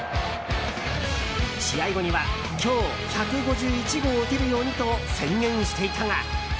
試合後には、今日１５１号を打てるようにと宣言していたが。